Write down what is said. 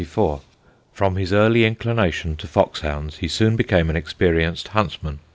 "From his early inclination to fox hounds, he soon became an experienced huntsman.